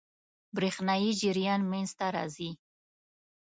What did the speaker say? برېښنايي جریان منځ ته راځي.